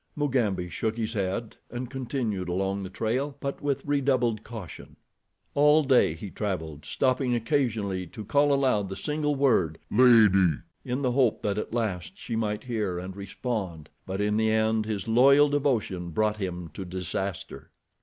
Mugambi shook his head, and continued along the trail, but with redoubled caution. All day he traveled, stopping occasionally to call aloud the single word, "Lady," in the hope that at last she might hear and respond; but in the end his loyal devotion brought him to disaster.